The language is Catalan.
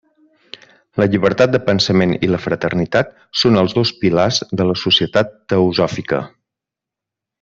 La llibertat de pensament i la fraternitat són els dos pilars de la Societat Teosòfica.